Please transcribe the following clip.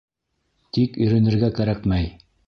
Тик иренергә кәрәкмәй.